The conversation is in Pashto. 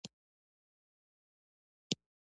د سهار لمونځ مو په مسجدالحرام کې ادا کړ.